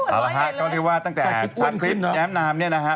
เอาละฮะก็เรียกว่าตั้งแต่ชาคริสแย้มนามเนี่ยนะฮะ